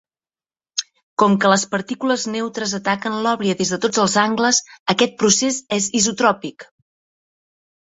Com que les partícules neutres ataquen l'oblia des de tots els angles, aquest procés és isotròpic.